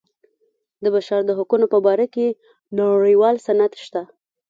د بشر د حقونو په باره کې نړیوال سند شته.